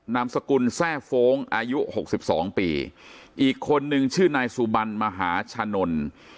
นามสกุลแทร่โฟ้งอายุหกสิบสองปีอีกคนนึงชื่อนายสุบันมหาชะนนท์